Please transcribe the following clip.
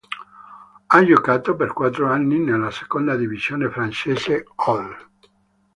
Ha giocato per quattro anni nella seconda divisione francese all'.